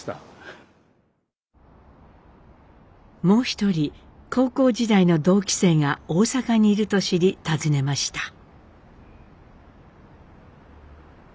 もう一人高校時代の同期生が大阪にいると知り訪ねました。